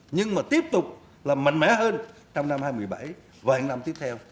nhưng mà tiếp tục làm mạnh mẽ hơn trong năm hai nghìn một mươi bảy và những năm tiếp theo